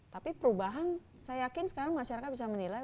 tapi perubahan saya yakin sekarang masyarakat bisa menilai